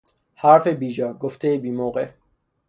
حرف بیجا، گفتهی بیموقع